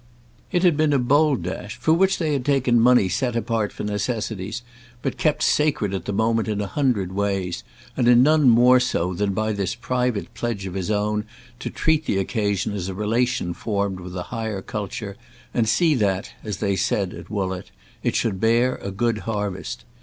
It had been a bold dash, for which they had taken money set apart for necessities, but kept sacred at the moment in a hundred ways, and in none more so than by this private pledge of his own to treat the occasion as a relation formed with the higher culture and see that, as they said at Woollett, it should bear a good harvest.